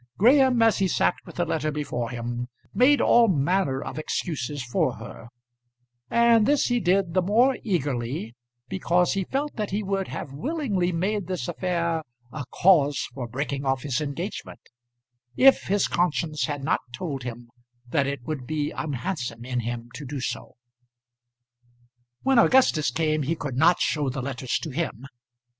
Graham, as he sat with the letters before him, made all manner of excuses for her; and this he did the more eagerly, because he felt that he would have willingly made this affair a cause for breaking off his engagement, if his conscience had not told him that it would be unhandsome in him to do so. When Augustus came he could not show the letters to him.